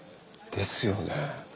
ですよね。